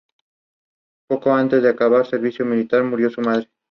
Dan entra en pánico y logra quitarse el interceptor de la mano.